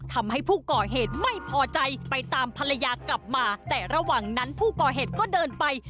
ทำให้ผู้ก่อเหตุไม่พอใจไปตามภรรยากลับมาแต่ระหว่างนั้นผู้ก่อเหตุก็เดินไป